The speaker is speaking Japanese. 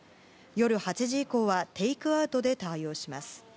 夜８時以降はテイクアウトで対応します。